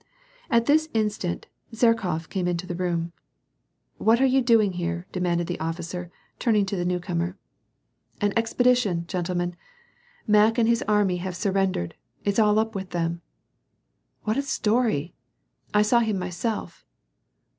At this instant, Zherkof came into the room. " What are you doing here ?" demanded the officer, turn mg to the new comer. 160 WAR AND PEACE. " An ezpeditioiiy gentlemen. Mack and bis army have sur rendered : it's all ap with them.'' " What a story !"" I saw him myself."